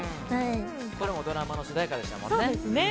これもドラマの主題歌でしたそうですね。